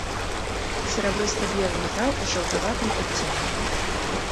Серабрыста-белы метал з жаўтаватым адценнем.